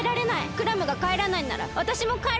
クラムがかえらないんならわたしもかえらないから！